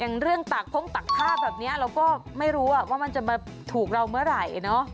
อย่างเรื่องตักพงตากผ้าแบบนี้เราก็ไม่รู้ว่ามันจะมาถูกเราเมื่อไหร่เนอะ